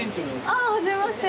あっ、初めまして。